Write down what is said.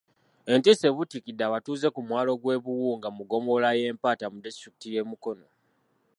Entiisa ebuutikidde abatuuze ku mwalo gw'e Buwunga mu ggombolola y'eMpatta mu disitulikiti ye Mukono.